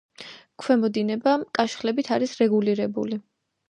ქვემო დინება კაშხლებით არის რეგულირებული.